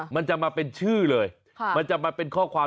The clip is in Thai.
มันจะมาเป็นชื่อเลยมันจะมาเป็นข้อความ